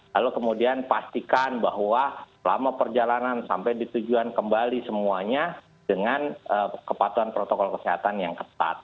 lalu kemudian pastikan bahwa selama perjalanan sampai ditujuan kembali semuanya dengan kepatuhan protokol kesehatan yang ketat